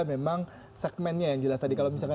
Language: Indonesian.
memang segmennya yang jelas tadi kalau misalkan